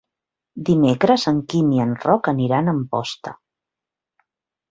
Dimecres en Quim i en Roc aniran a Amposta.